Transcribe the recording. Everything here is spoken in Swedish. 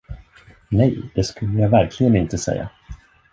Nej, det skulle jag verkligen inte säga!